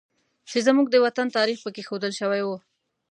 چې زموږ د وطن تاریخ پکې ښودل شوی و